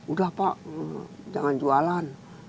udah pak jangan jualan